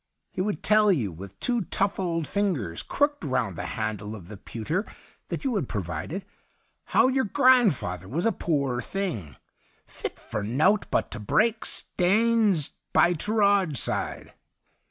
He would tell you, with two tough old fingers crooked round the handle of the pewter that you had provided, how your grandfather was a poor thing, ' fit for nowt but to brak steeans by ta rord side.'